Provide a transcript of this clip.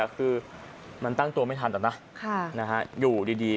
คือมันตั้งตัวไม่ทันอะนะอยู่ดี